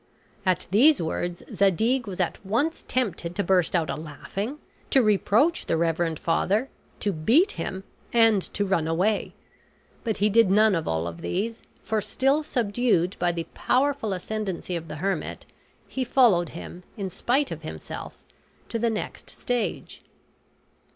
At these words Zadig was at once tempted to burst out a laughing, to reproach the reverend father, to beat him, and to run away. But he did none of all of these, for still subdued by the powerful ascendancy of the hermit, he followed him, in spite of himself, to the next stage.